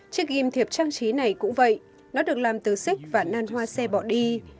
chiếc ghim thiệp trang trí này cũng vậy nó được làm từ xích và nan hoa xe bỏ đi